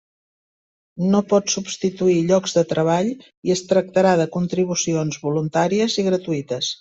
No pot substituir llocs de treball i es tractarà de contribucions voluntàries i gratuïtes.